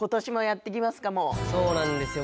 そうなんですよ